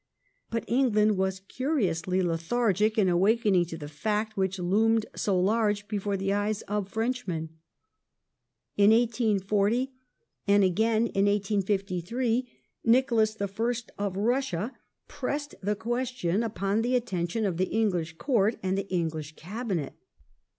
^ But Eng land was curiously lethargic in awakening to the fact which loomed so large before the eyes of Frenchmen. In 1840 and again in 1853 Nicholas I. of Russia pressed the question upon the attention of the English Court and the English Cabinet.